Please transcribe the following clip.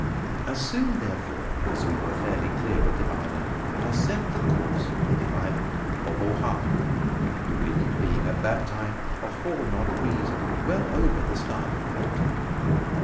As soon, therefore, as we were fairly clear of the island I set the course for the island of Oahu; the wind being at the time a four knot breeze, well over the starboard quarter.